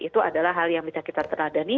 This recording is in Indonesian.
itu adalah hal yang bisa kita terladani